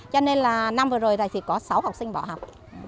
cho nên là năm vừa rồi này thì có sáu học sinh bỏ học